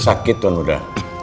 sakit tuan uda